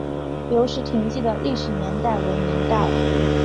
留石亭记的历史年代为明代。